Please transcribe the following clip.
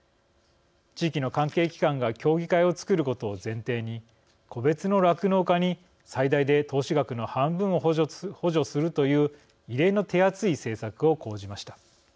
地域の関係機関が協議会を作ることを前提に個別の酪農家に最大で投資額の半分を補助するという異例の手厚い政策を講じました。